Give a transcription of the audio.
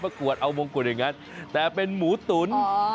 กวดเอามงกุฎอย่างนั้นแต่เป็นหมูตุ๋น